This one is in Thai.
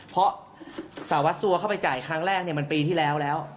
เพราะสารวัสสัวเข้าไปจ่ายครั้งแรกมันปีที่แล้วแล้ว